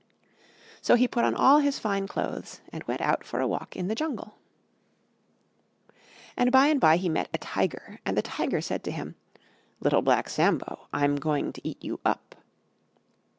So he put on all his Fine Clothes and went out for a walk in the Jungle. And by and by he met a Tiger. And the Tiger said to him, "Little Black Sambo, I'm going to eat you up!"